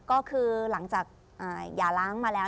ก็คือหลังจากอย่าล้างมาแล้ว